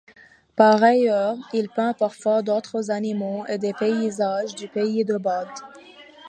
Par ailleurs, il peint parfois d'autres animaux et des paysages du pays de Bade.